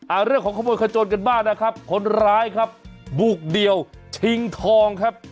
เรื่องของขโมยขจนกันบ้างนะครับคนร้ายครับบุกเดี่ยวชิงทองครับ